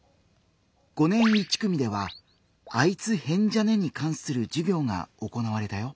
５年１組では「あいつ変じゃね？」に関する授業が行われたよ。